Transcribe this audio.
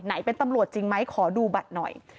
ไหนเป็นตำรวจจริงไหมขอดูบัตรหน่อย